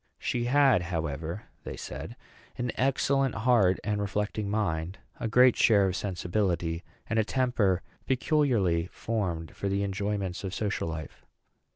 She had, however, they said, an excellent heart and reflecting mind, a great share of sensibility, and a temper peculiarly formed for the enjoyments of social life.